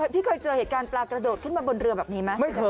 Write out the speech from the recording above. พี่เคยเจอเหตุการณ์ปลากระโดดขึ้นมาบนเรือแบบนี้ไหม